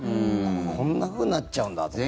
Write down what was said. こんなふうになっちゃうんだと思って。